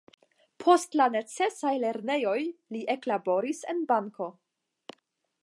Post la necesaj lernejoj li eklaboris en banko.